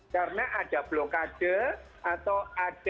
karena ada blokade atau ada